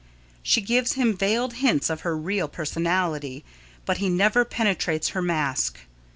She gives him veiled hints of her real personality, but he never penetrates her mask.